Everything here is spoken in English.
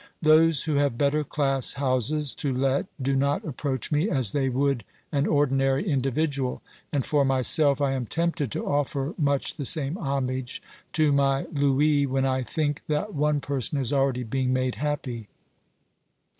Those who have better class houses to let do not approach 2 82 OBERMANN me as they would an ordinary individual, and for myself I am tempted to offer much the same homage to my louis when I thinic that one person is already being made happy.